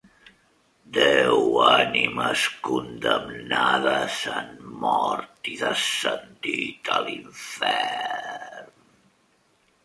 Deu ànimes condemnades han mort i descendit a l'infern.